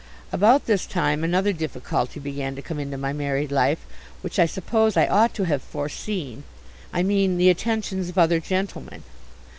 About this time another difficulty began to come into my married life, which I suppose I ought to have foreseen I mean the attentions of other gentlemen.